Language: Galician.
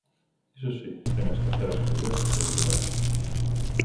Iso si, sen esquecer as medidas de seguridade.